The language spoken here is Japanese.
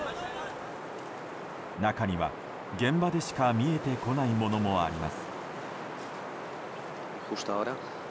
中には、現場でしか見えてこないものもあります。